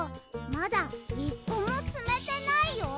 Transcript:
まだ１こもつめてないよ。